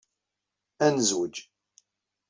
Ad nezwej.